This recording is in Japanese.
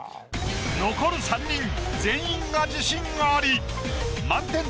残る３人全員が自信あり。